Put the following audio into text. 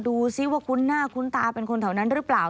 ดูซิว่าคุ้นหน้าคุ้นตาเป็นคนแถวนั้นหรือเปล่า